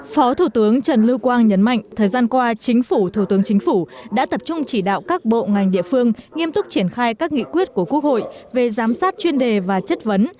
phó thủ tướng trần lưu quang nhấn mạnh thời gian qua chính phủ thủ tướng chính phủ đã tập trung chỉ đạo các bộ ngành địa phương nghiêm túc triển khai các nghị quyết của quốc hội về giám sát chuyên đề và chất vấn